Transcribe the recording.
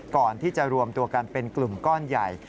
ก่อนที่จะรวมตัวกันเป็นกลุ่มก้อนใหญ่